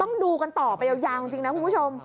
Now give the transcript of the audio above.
ต้องดูกันต่อให้อยู่ยางจริงนะผู้ชม